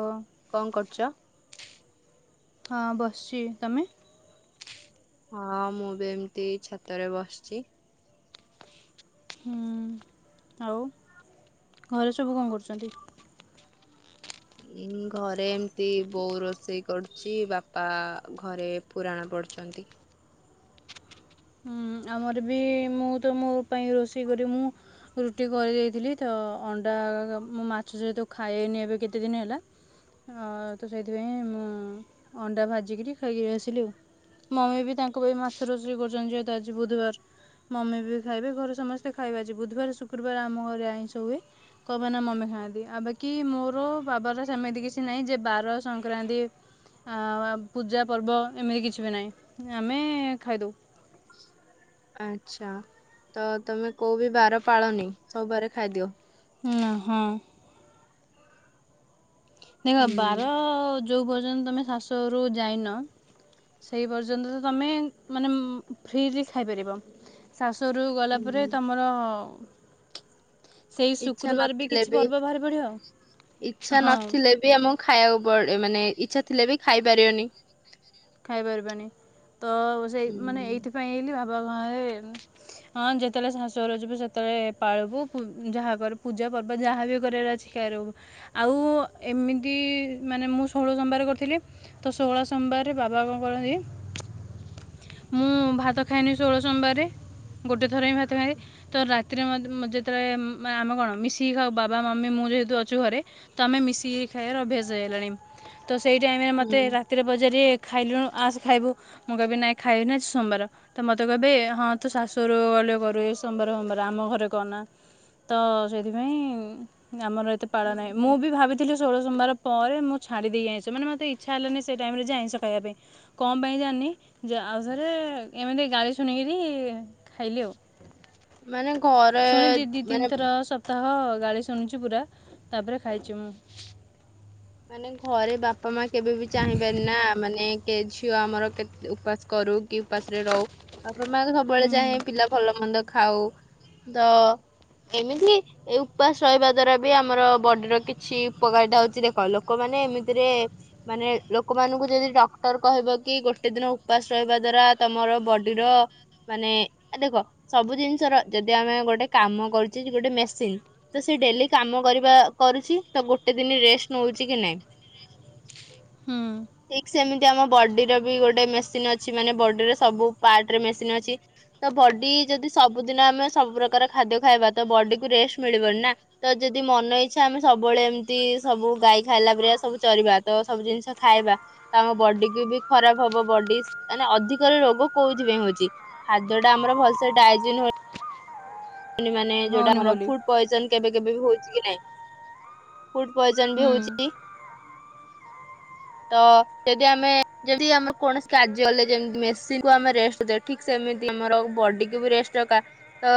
ଓ। କଣ କରୁଛ। ହଁ ବସିଛି ତମେ଼। ହଁ ମୁଁ ବି ଏମିତି ଛାତରେ ବସିଛି। ହୁଁ ଆଉ ଘରେ ସବୁ କଣ କରୁଛନ୍ତି। ଉ ଘରେ ଏମତି ବୋଉ ରୋଷେଇ କରୁଛି ବାପା ଘରେ ପୁରାଣ ପଢୁଛନ୍ତି। ହୁଁ ଆମର ବି ମୁଁ ତ ମୋ ପାଇଁ ରୋଷେଇ କରି ମୁଁ। ରୁଟି କରିଦେଇଥିଲି ତ ଅଣ୍ଡା ମୁଁ ମାଛ ଯେହେତୁ ଖାଇନି ଏବେ କେତେଦିନ ହେଲା। ଆ ତ ସେଇଥିପାଇଁ ମୁଁ ଅଣ୍ଡା ଭାଜିକରି ଖାଇକିରି ଆସିଲି ଆଉ। ମମି ବି ତାଙ୍କ ପାଇଁ ମାଛ ରୋଷେଇ କରୁଛନ୍ତି ଯେହେତୁ ଆଜି ବୁଧବାର। ମମି ବି ଖାଇବେ ଘରେ ସମସ୍ତେ ଖାଇବେ ଯେ ବୁଧବାର ଶୁକ୍ରବାର ଆମ ଘରେ ଆଇଁଷ ହୁଏ। କଣ ପାଇଁ ନା ମମି ଖାଆନ୍ତି ଆଉ ବାକି ମୋର ବାବାର ସେମିତି କିଛି ନାହିଁ ଯେ ବାର ସଂକ୍ରାନ୍ତି। ଆଉ ପୂଜା ପର୍ବ ଏମିତି କିଛି ବି ନାହିଁ ଆମେ ଖାଇଦେଉ। ଆଛା ତ ତମେ କୋଉ ବିି ବାର ପାଳନି ସବୁ ବାରେ ଖାଇଦିଅ। ଉଁ ହଁ। ଦେଖ ହୁଁ। ବାର ଯେଉଁ ପର୍ଯ୍ୟନ୍ତ ତୁମେ ଶାଶୁଘରକୁ ଯାଇନ। ସେଇ ପର୍ଯ୍ୟନ୍ତ ତ ତମେ ମାନେ ଫ୍ରିି ଲି ଖାଇପାରିବ। ଶାଶୁଘରକୁ ଗଲା ପରେ ହୁଁ। ତମର। ସେଇ ଇଛା ଶୁକ୍ରବାର ନଥିଲେ କିଛି ବି ପର୍ବ ବାହାରି ପଡ଼ିବ ଇଛା ହଁ ନଥିଲେ ବି। ଆମକୁ ଖାଇବାକୁପଡ ମାନେ ଇଚ୍ଛା ଥିଲେ ବି ଖାଇ ପାରିବନି। ଖାଇପାରିବାନି ତ ସେଇ ହୁଁ ମାନେ ଏଇଥିପାଇଁ ହେଇଲି ବାବା ମାମା। ହଁ ଯେତେବେଳେ ଶାଶୁ ଘର କୁ ଯିବୁ ସେତେବେଳେ ପାଳବୁ ଯାହା କର ପୂଜା ପର୍ବ ଯାହାବି କରିବାର ଅଛି। କରିବୁ ଆଉ ଏମିତି ମାନେ ମୁଁ ଷୋହଳ ସୋମବାର କରିଥିଲି। ତ ଷୋହଳ ସୋମବାରରେ ବାବା କଣ କରନ୍ତି। ମୁଁ ଭାତ ଖାଇଏନି ଷୋହଳ ସୋମବାରରେ ଗୋଟଏ ଥର ହିଁ ଭାତ ଖାଏ। ତ ରାତିରେ ଯେତେବେଳେ ଆମେ କଣ ମିଶିକି ଖାଉ ବାବା ମମି ମୁଁ ଯେହେତୁ ଅଛୁ ଘରେ। ତ ଆମେ ମିଶିକି ଖାଇବାର ଅଭ୍ୟାସ ହେଇଗଲାଣି। ତ ସେଇ ଟାଇମରେ ହୁଁ ମୋତେ ରାତିରେ ପଚାରିବେ ଖାଇଲୁଣୁ ଆସ ଖାଇବୁ ମୁଁ କହିବି ନାଇଁ ଖାଇବିିନି ଆଜି ସୋମବାର। ତ ମତେ କହିବେ ହଁ ତୁ ଶାଶୁଘରୁକୁ ଗଲେ କରିବୁ ସୋମବାର ସୋମବାର ଆମ ଘରେ କହନା। ତ ସେଥିପାଇଁ ଆମର ଏତେ ପାଳ ନାହିଁ ମୁଁ ବି ଭାବିଥିଲି? ଷୋଳ ସୋମବାର ପରେ ମୁଁ ଛାଡି ଦେବି ଆଇଁଷ ମାନେ ମତେ ଇଚ୍ଛା ହେଲାଣି ସେ ଟାଇମରେ ଆଇଁଷ ଖାଇବା ପାଇଁ। କଣ ପାଇଁ ଜାଣିନି? ଯେ ଆଉଥରେ ଏମିତି ଗାଳି ଶୁଣିକିରି ଖାଇଲି ଆଉ ମାନେ ଘରେ ଶୁଣିଛି ଦି ମାନେ ତିନି ଥର ସ ସପ୍ତାହ ଗାଳି ଶୁଣୁଛି ପୁରା ତାପରେ ଖାଇଛି ମୁଁ ମାନେ ଘରେ ବାପା ମା କେବେ ବି ଚାହିଁବେନି ନା ମାନେ କେ ଝିଅ ଆମର କେତେ ଉ ଉପାସ କରୁ କି ଉପାସରେ ରହୁ ବାପା ମା ସବୁବେଳେ ହୁଁ ଚାହେଁ ପିଲା ଭଲ ମନ୍ଦ ଖାଉ ତ ଏମିତି ଏ ଉପାସ ରହିବା ଦ୍ଵାରା ବି ଆମର ବଡିର କିଛି ଉପକାରିତା ହଉଛି ଦେଖ ଲୋକମାନେ ଏମିତିରେ ମାନେ ଲୋକମାନଙ୍କୁ ଯଦି ଡକ୍ଟର କହିବ କି ଗୋଟେ ଦିନ ଉପାସ ରହିବା ଦ୍ଵାରା ତମର ବଡିର ମାନେ କଣ ସବୁ ଜିନିଷର ଯଦି ଆମେ ଗୋଟେ କାମ କରୁଛେ ଗୋଟେ ମେସିନ ତ ସେ ଡେଲି କାମ କରିବା କରୁଛି ତ ଗୋଟେ ଦିନି ରେଷ୍ଟ ନଉଛି କି ନାଇଁ? ହୁଁ। ଠିକ୍ ସେମିତି ଆମ ବଡିର ବି ଗୋଟେ ମେସିନ ଅଛି ମାନେ ବଡିର ସବୁ ପାର୍ଟରେ ମେସିନ ଅଛି। ତ ବଡି ଯଦି ସବୁଦିନ ଆମେ ସବୁ ପ୍ରକାର ଖାଦ୍ୟ ଖାଇବା ତ ବଡିକୁ ରେଷ୍ଟ ମିଳିବନି ନା। ତ ଯଦି ମନ ଇଚ୍ଛା ଆମେ ସବୁବେଳେ ଏମତି ସବୁ ଗାଈ ଖାଇଲା ପରିକା ସବୁ ଚରିବା ତ ସବୁ ଜିନିଷ ଖାଇବା। ତ ଆମ ବଡିକୁ ବି ଖରାପ ହବ ବଡି ମାନେ ଅଧିକରେ ରୋଗ କୋଉଥିପାଇଁ ହଉଛି? ଖାଦ୍ୟଟା ଆମର ଭଲସେ ଡାଇଜିନ୍ ହଉ ନି ମାନେ ଯୋଉଟା ହେଉନି ଆମର ବୋଲି ଫୁଡ ପଏଜନ କେବେ କେବେ ବି ହଉଛି କି ନାଇଁ? ଫୁଡ ପଏଜନ ବି ହୁଁ ହଉଛି। ତ ଯଦି ଆମେ ଯେମତି ଆମେ କୌଣସି କାର୍ଯ୍ୟଲେ ଯେମତି ମେସିନକୁ ଆମେ ରେଷ୍ଟ ଦେଉ ଠିକ ସେମିତି ଆମର ବଡିକୁୁ ବି ରେଷ୍ଟ ଦରକାର ତ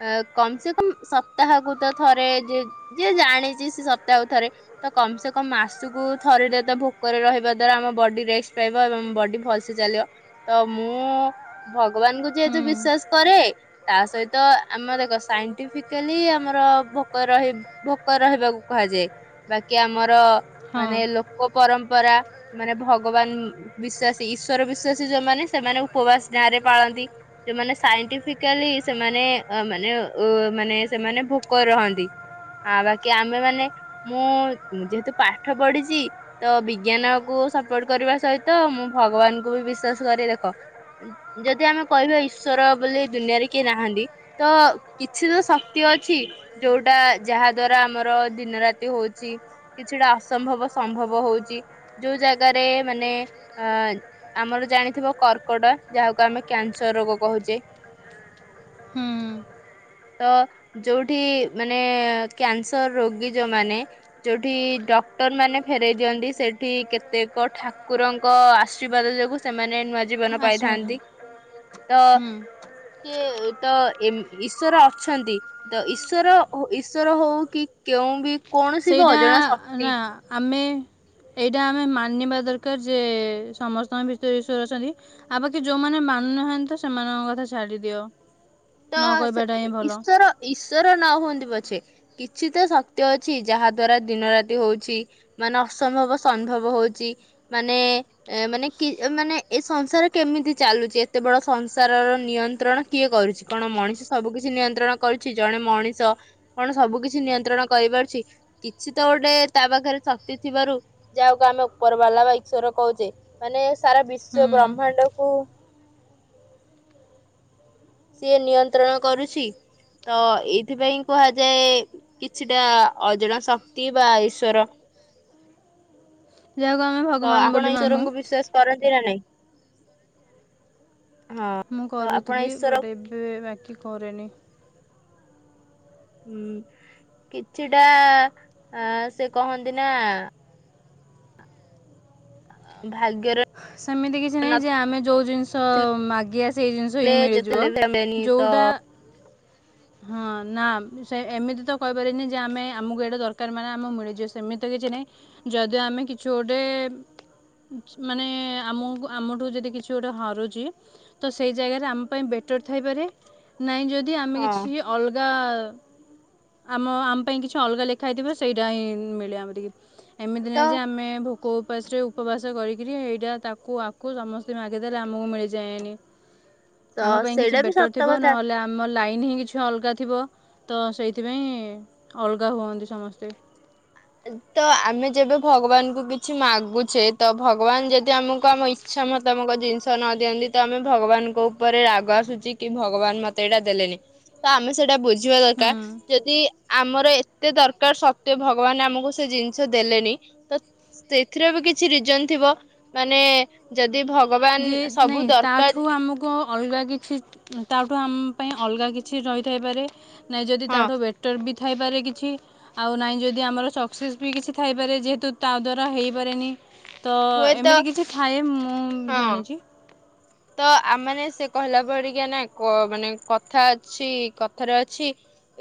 ଅ କମସେକମ୍ ସପ୍ତାହକୁ ତ ଥରେ ଯେ ଯିଏ ଜାଣିଛି ସେ ସପ୍ତାହକୁ ଥରେ ତ କମ୍ ସେ କମ୍ ମାସକୁ ଥରେଟେ ତ ଭୋକରେ ରହିବା ଦ୍ଵାରା ଆମ ବଡି ରେଷ୍ଟ୍ ପାଇବ ଏବଂ ବଡି ଭଲ ସେ ଚାଲିବ ତ ମୁଁ ଭଗବାନଙ୍କୁ ଯେହେତୁ ହୁଁ ବିଶ୍ଵାସ କରେ ତା ସହିତ ଆମ ଦେଖ ସାଇଣ୍ଟିଫିକାଲି ଆମର ଭୋକରେ ଭୋକରେ ରହିବାକୁ କୁହାଯାଏ। ବାକି ଆମର ହଁ ମାନେ ଲୋକ ପରମ୍ପରା ମାନେ ଭଗବାନ ବିଶ୍ଵାସୀ ଈଶ୍ଵର ବିଶ୍ଵାସୀ ଯୋଉମାନେ ସେମାନେ ଉପବାସ ନାଁ ରେ ପାଳନ୍ତି। ଯୋଉମାନେ ସାଇଣ୍ଟିଫିକାଲି ସେମାନେ ଅ ମାନେ ଉ ମାନେ ସେମାନେ ଭୋକରେ ରହନ୍ତି ଆ ବାକି ଆମେମାନେ ମୁଁ ଯେହେତୁ ପାଠ ପଢିଛି ତ ବିଜ୍ଞାନକୁ ସପୋର୍ଟ କରିବା ସହିତ ମୁଁ ଭଗବାନଙ୍କୁ ବି ବିଶ୍ୱାସ କରି ଦେଖ ଯଦି ଆମେ କହିବା ଈଶ୍ୱର ବୋଲି ଦୁନିଆରେ କିଏ ନାହାନ୍ତି? ତ କିଛି ତ ଶକ୍ତି ଅଛି। ଯୋଉଟା ଯାହା ଦ୍ଵାରା ଆମର ଦିନ ରାତି ହଉଛି। କିଛିଟା ଅସମ୍ଭବ ସମ୍ଭବ ହଉଛି ଯୋଉ ଜାଗାରେ ମାନେ ଅ ଆମର ଜାଣିଥିବା କର୍କଟ ଯାହାକୁ ଆମେ କ୍ୟାନସର ରୋଗ କହୁଚେ। ହୁଁ। ତ ଯୋଉଠି ମାନେ କ୍ୟାନସର ରୋଗୀ ଯୋଉମାନେ ଯୋଉଠି ଡକ୍ଟର ମାନେ ଫେରଇ ଦିଅନ୍ତି ସେଠି କେତେକ ଠାକୁରଙ୍କ ଆଶୀର୍ବାଦ ଯୋଗୁ ସେମାନେ ନୂଆ ଜୀବନ ଆସିବନି ପାଇଥାନ୍ତି ତ ହୁଁ କିଏ ତ ଏମୀ ଈଶ୍ୱର ଅଛନ୍ତି ତ ଈଶ୍ୱର ଓ ଈଶ୍ୱର ହଉ କି କେଉଁ ବି କୌଣସି ବି ସେଇଟା ଅଜଣା ନା ଶକ୍ତି ଆମେ ଏଇଟା ଆମେ ମାନିବା ଦରକାର ଯେ ସମସ୍ତଙ୍କ ଭିତରେ ଈଶ୍ୱର ଅଛନ୍ତି। ଆଉ ବାକି ଯୋଉମାନେ ମାନୁନାହାନ୍ତି ତ ସେମାନଙ୍କ କଥା ଛାଡି ଦିଅ। ତ ସେ ଈଶ୍ୱର-ଈଶ୍ୱର ନ ହୁଅନ୍ତି ପଛେ କିଛି ତ ସତ୍ୟ ଅଛି ଯାହା ଦ୍ଵାରା ଦିନ ରାତି ହଉଛି। ମାନେ ଅସମ୍ଭବ ସମ୍ଭବ ହଉଛି ମାନେ ଏ ମାନେ କି ମାନେ ଏ ସଂସାର କେମିତି ଚାଲୁଛି ଏତେ ବଡ ସଂସାରର ନିୟନ୍ତ୍ରଣ କିଏ କରୁଛି? କଣ ମଣିଷ ସବୁ କିିଛି ନିୟନ୍ତ୍ରଣ କରୁଛି ଜଣେ ମଣିଷ କଣ ସବୁ କିିଛି ନିୟନ୍ତ୍ରଣ କରିପାରୁଛି? କିଛି ତ ଗୋଟେ ତା ପାଖରେ ଶକ୍ତି ଥିବାରୁ ଯାହାକୁ ଆମେ ଉପର ବାଲା ବା ଈଶ୍ଵର କହୁଛେ ମାନେ ସାରା ହୁଁ ବିଶ୍ଵ ବ୍ରହ୍ମାଣ୍ଡ କୁ ସିଏ ନିୟନ୍ତ୍ରଣ କରୁଛି। ତ ଏଇଥିପାଇଁ କୁହାଯାଏ କିଛିଟା ଅଜଣା ଶକ୍ତି ବା ଈଶ୍ଵର। ଯାହାକୁ ଆମେ ଭ ତ ଆପଣ ଈଶ୍ୱରଙ୍କୁ ବିଶ୍ଵାସ କରନ୍ତି ନା ନାଇଁ? ହଁ ମୁଁ ତ କରୁଥିଲି ଆପଣ ବଟ୍ ଇଶ୍ୱର ଏବେ ବାକି କରେନି। ହୁଁ କିଛିଟା ଆ ସେ କହନ୍ତି ନା ଭାଗ୍ୟର ସେମିତି କିଛି ନାହିଁ ଯେ ଆମେ ଯୋଉ ଜିନିଷ ନଥିଲେ ମାଗିବା ସେଇ ଜିନିଷ ହିଁ ମିଳିଯିବ। ଡେନି ତ ଯେଉଁଟା ହଁ ନା ସେ ଏମିତି ତ କହିପାରିବାନି ଯେ ଆମେ ଆମକୁ ଏଇଟା ଦରକାର ମାନେ ଆମ ମିଳିଯିବ ସେମିତି ତ କିଛି ନାହିଁ। ଯଦି ଆମେ କିଛି ଗୋଟେ ମାନେ ଆମକୁ ଆମଠୁ ଯଦି କିଛି ଗୋଟେ ହରୁଛି। ତ ସେଇ ଜାଗାରେ ଆମ ପାଇଁ ବେଟର୍ ଥାଇପାରେ ନାଇଁ ଯଦି ଆମେ ହଁ କିଛି ଅଲଗା ଆମ ଆମ ପାଇଁ କିଛି ଅଲଗା ଲେଖା ହେଇଥିବ ସେଇଟା ହିଁ ମିଳେ ଆମଟିକି। ଏମିତି ତ ନାହିଁ ଯେ ଆମେ ଭୋକ ଉପାସରେ ଉପବାସ କରିକିରି ଏଇଟା ତାକୁ ଆକୁ ସମସ୍ତିଙ୍କି ମାଗିଦେଲେ ଆମକୁ ମିଳିଯାଏନି। ତ ଆମ ପାଇଁ କିଛି ସେଇଟା ବି ବେଟର୍ ସତ ଥିବ କଥା ନହେଲେ ଆମ ଆମ ଲାଇନ୍ ହିଁ କିଛି ଅଲଗା ଥିବ ତ ସେଇଥିପାଇଁ ଅଲଗା ହୁଅନ୍ତି ସମସ୍ତେ। ତ ଆମେ ଯେବେ ଭଗବାନଙ୍କୁ କିଛି ମାଗୁଛେ ତ ଭଗବାନ ଯଦି ଆମକୁ ଆମ ଇ ଇଚ୍ଛା ମୁତାବକ ଜିନିସ ନ ଦିଅନ୍ତି ତ ଆମେ ଭଗବାନ୍ ଙ୍କ ଉପରେ ରାଗ ଅସୁଛି କି ଭଗବାନ ମୋତେ ଏଇଟା ଦେଲେନି। ତ ଆମେ ସେଇଟା ବୁଝିବା ଦରକାର ହୁଁ। ଯଦି ଆମର ଏତେ ଦରକାର୍ ସତ ଭଗ୍ ଭଗବାନ ଆମକୁ ସେ ଜିନିସ ଦେଲେନି ତ ସେଥିର ବି କିଛି ରିଜନି ଥିବ ମାନେ ଯଦି ଭଗବାନ୍ ସବୁ ଦରକାର୍ କୁ ଅଲଗା କିଛି ତା ଠୁ ଆମ ପାଇ ଅଲଗା କିଛି ରହିଥାଇ ପାରେ। ନାଇ ଯଦି ତା ହଁ ଠୁ ବେ ଟର୍ ବି ଥାଇ ପାରେ କିଛି ଆଉ ନାହିଁ ଯଦି ଆମର ସକ୍ସେସ୍ ବି କିଛି ଥାଇ ପାରେ ଯେହେତୁ ତା ଦ୍ଵାରା ହେଇପାରେନି। ତ ହୁଏତ ଏମିତି କିଛି ଥାଏ। ମୁଁ ହଁ ଜାଣିଛି। ତ ଆମେ ମାନେ ସେ କହିଲା ପରିକା ନା କ ମାନେ କଥା ଅଛି କଥାରେ ଅଛି।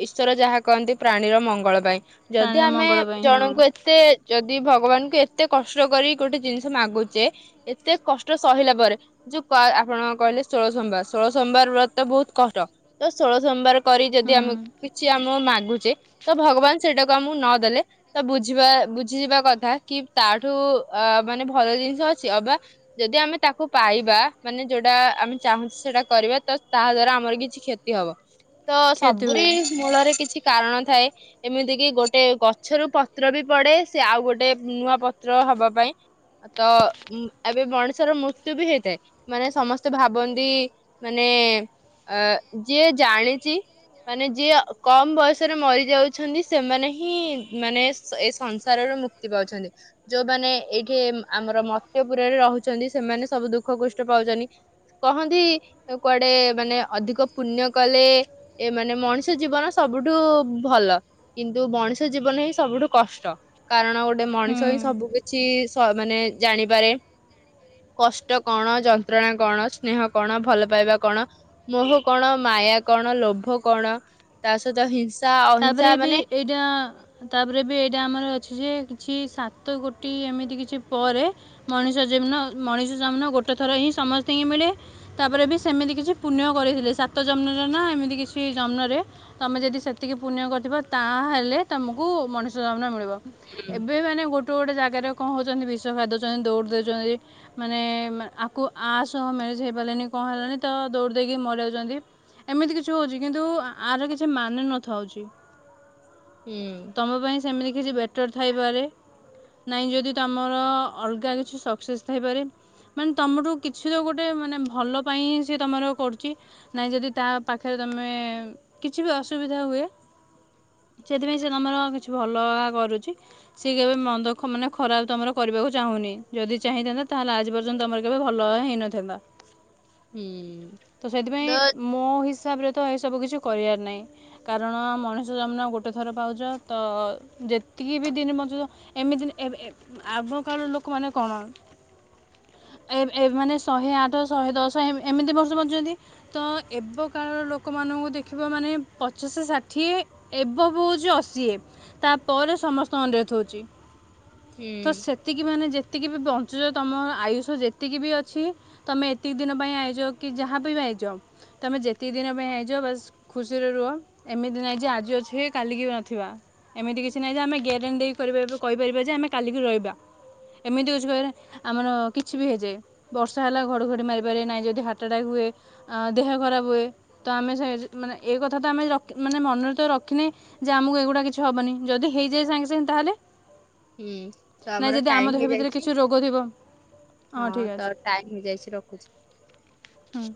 ଇଶ୍ୱର ଯାହା କରନ୍ତି ପ୍ରାଣିର ମଙ୍ଗଳ ପାଇଁ ଯଦି ପ୍ରାଣୀର ଆମେ ମଙ୍ଗଳ ପାଇଁ ହଁ ଜଣଙ୍କୁ ଏତେ ଯଦି ଭଗବାନ୍ କୁ ଏତେ କଷ୍ଟ କରି ଜିନିସ ମଗୁଛେ ଏତେ କଷ୍ଟ ସହିଲା ପରେ ଯୋଉ ପା ଆପଣ କହିଲେ ଷୋଳସୋମବାର୍ ଷୋଳ ସୋମବାର୍ ବ୍ରତ ବହୁତ୍ କଷ୍ଟ ତ ଷୋଳସୋମବାର୍ କରି ଯଦି ହୁଁ ଆମେ କିଛି ଆମ ମାଗୁଛେ ତ ଭଗବାନ ସେଇଟାକୁ ଆମକୁ ନ ଦେଲେ ତ ବୁଝିବା ବୁଝିଯିବା କଥା କି ତାଠୁ ଅ ମାନେ ଭଲ ଜିନିଷ ଅଛି। ଅବା ଯଦି ଆମେ ତାକୁ ପାଇ ବା ମାନେ ଯଉଟା ଆମେ ଚାହୁଛେ ସେଇଟା କରିବା ତାହା ଦ୍ୱାରା ଆମର କିଛି କ୍ଷତି ହେବ। ତ କ୍ଷତି ସବୁରି ହୁଏ ମୂଳରେ କିଛି କାରଣ ଥାଏ। ଏମିତି କି ଗୋଟେ ଗଛରୁ ପତ୍ର ବି ପଡେ ସିଏ ଆଉଗୋଟେ ନୂଆ ପତ୍ର ହବାପାଇଁ। ତ ଉଁ ଏବେ ମଣିଷର ମୃତ୍ୟୁ ବି ହେଇଥାଏ। ମାନେ ସମସ୍ତେ ଭାବନ୍ତି ମାନେ ଅ ଯିଏ ଜାଣିଚି ମାନେ ଯିଏ କମ୍ ବୟସରେ ମରି ଯାଉଛନ୍ତି ସେମାନେ ହିଁ ମାନେ ଏ ଏ ସଂସାରର ମୁ କ୍ତି ପାଉଛନ୍ତି ଯୋଉମାନେ ଏଇଠି ଏ ଆମର ମର୍ତ୍ତ୍ୟପୁରରେ ରହୁଚନ୍ତି ସେମାନେ ସବୁ ଦୁ ଦଃଖ କଷ୍ଟ ପାଉଚନ୍ତି କହନ୍ତି କୁଆଡ଼େ ମାନେ ଅଧିକ ପୁଣ୍ୟ କଲେ ଏ ମାନେ ମଣିଷ ଜିବନ ସବୁଠୁ ଭଲ। କିନ୍ତୁ ମଣିଷ ଜୀବନ ହିଁ ସବୁଠୁ କଷ୍ଟ। କାରଣ ଗୋଟେ ମଣିଷ ହିଁ ହୁଁ ସବୁକିଛି ସ ମାନେ ଜାଣିପାରେ କଷ୍ କଣ ଯନ୍ତ୍ରଣା, କଣ ସ୍ନେହ, କଣ ଭଲ ପାଇବା କଣ ମୋହ କଣ, ମାୟା କଣ, ଲୋଭ କଣ, ତା ସହିତ ହିଂସା, ଅହିଂସା ମାନେ ଦେଆଁ ତାପରେ ବି ଏଇଟା ଆମର ଅଛି ଯେ କିଛି ସାତ କୋଟି ଏମିତି କିଛି ପରେ ମଣିଷମ୍ ଜିମ୍ନ ମଣିଷ ଜନ୍ମ ଗୋଟେ ଥର ହିଁ ସମସ୍ତିଙ୍କି ମିଳେ। ତାପରେ ବି ସେମିତି କିଛି ପୁଣ୍ୟ କରିଥିଲେ ସାତ ଜନ୍ମରେ ନା ଏମିତି କିଛି ଜନ୍ମରେ ତମେ ଯଦି ସେ ସେତିକି ପୁଣ୍ୟ କରିଥିବ ତାହଲେ ତମକୁ ମଣିଷ ଜନ୍ମ ମିଳିବ ଏବେ ମାନେ ଗୋ ଗୋଟେ ଗୋଟଏ ଜାଗାରେ କଣ ହୋଉଚନ୍ତି ବିଷ ଖାଇଦୋଉଚନ୍ତି ଦୌଡ଼ି ଦେଉଚନ୍ତି। ମାନେ ମା ଆକୁ ଆ ସହ ମ୍ୟାରେଜ ହେଇପାରିଲାନି କଣ ହେଲାନି ତ ଦୌଡ଼ି ଦେଇକି ମରିଯାଉଚନ୍ତି। ଏମିତି କିଛି ହୋଉଚି କିନ୍ତୁ ଆ-ଆର କିଛି ମାନ ନ ଥାଉଚି। ହୁଁ। ତମ ପାଇଁ ସେମିତି କିଛି ବେଟର ଥାଇପାରେ। ନାଇଁ ଯଦି ତମର ଅଲଗା କିଛି ସକ୍ସେସ୍ ଥାଇପାରେ। ମାନେ ତୁମଠୁ କିଛି ତ ଗୋଟେ ମାନେ ଭଲ ପାଇଁ ହିଁ ସିଏ ତୁମର କରୁଚି। ନାଇଁ ଯଦି ତା ପାଖରେ ତମେ କିଛି ବି ଅସୁବିଧା ହୁଏ ସେଥିପାଇଁ ସିଏ ତମର କିଛି ଭଲ କରୁଚି। ସିଏ କେବେ ମନ୍ଦ ଖ ମାନେ ଖରାପ ତମର କରିବାକୁ ଚାହୁଁନି ଯଦି ଚାହିଁଥାନ୍ତେ ତାହେଲେ ଆଜିପର୍ଯ ନ୍ତ ତମର କେବେ ଭଲ ହେଇନଥାନ୍ତା। ହୁଁ ତ ସେଥିପାଇଁ ମୋ ହିସାବରେ ତ ଏସବୁ କିଛି କରିବାର ନାଇଁ। କାରଣ ମଣିଷ ଜନ୍ମ ଗୋଟେ ଥର ପାଉଚ ତ ଯେତିକି ବି ଦିନେ ବଞ୍ଚୁଚ ଏମିତିନେ ଏବେ ଏ ଆଗକାଳର ଲୋକମାନେ କଣ ଏବ ଏବ ମାନେ ଶହେ ଆଠ, ଶହେ ଦଶ, ଏମ ଏମିତି ବର୍ଷ ବଞ୍ଚନ୍ତି। ତ ଏବ କାଳର ଲୋକମାନଙ୍କୁ ଦେଖିବ ମାନେ ପ ପଚାଶେ ଷାଠିଏ ଏବଭ ହୋଉଚି ଅଶୀ ଏ ତା ପରେ ସମସ୍ତଙ୍କ ଡେଥ୍ ହୋଉଛି। ହୁଁ ତ ସେତିକି ମାନେ ଯେତିକି ବି ବଞ୍ଚୁଚ ତମ ଆୟୁଷ ଯେତିକି ବି ଅଛି ତମେ ଏ ଏତିକି ଦିନ ପାଇଁ ଆଇଚ କି ଯାହା ପାଇଁ ବି ଆଇଚ ତମେ ଯେତିକି ଦିନ ପାଇଁ ଆଇଚ ବାସ୍ ଖୁସିରେ ରୁହ। ଏମିତି ନାଇଁ ଯେ ଆଜି ଅଛେ କାଲିକି ବି ନଥିବା। ଏମିତି କିଛି ନାହିଁ ଯେ ଆମେ ଗ୍ୟାରେଣ୍ଟି ଦେଇ କରିପାରିବା କହିପାରିବା ଯେ ଆମେ କାଲିକି ରହିବା। ଏମିତି ୟୁଜ୍ କଲେ ଆମର କିଛି ବି ହେଇଯାଏ। ବର୍ଷା ହେଲା ଘଡଘଡି ମାରିପାରେ ନାଇ ଯଦି ହାର୍ଟ ଆଟାକ୍ ହୁଏ ଆ ଦେହ ଖରାପ ହୁଏ ତ ଆମେ ସେ ଯେ ମାନେ ଏଇ କଥା ତ ଆମେ ଆଜି ରା ମାନେ ମନରେ ତ ରଖିନେ ଯେ ଆମକୁ ଏଗୁଡା କିଛି ହବନି ଯଦି ହେଇଯାଏ ସାଙ୍ଗେ ସାଙ୍ଗେ ତାହେଲେ ହୁଁ ତ ନାଇଁ ଆମର ଯଦି ଟାଇମ ଆମ ଦେହ ଭିତରେ ହେଇଯାଇଛି କିଛି ରୋଗ ଥିବ ହଁ ତାର ଟାଇମ ହେଇ ଯାଇସି ରଖୁଚି। ହଁ।